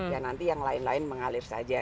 dan nanti yang lain lain mengalir saja